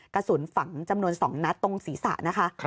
กระสุนฝังจำนวน๒นัดตรงศีรษะนะคะ